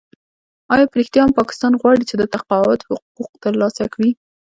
آیا په رښتیا هم پاکستان غواړي چې د تقاعد حقوق ترلاسه کړي؟